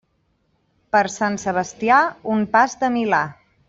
Per Sant Sebastià, un pas de milà.